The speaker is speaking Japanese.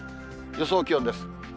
予想気温です。